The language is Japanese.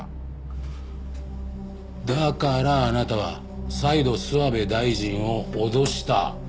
だからあなたは再度諏訪部大臣を脅した。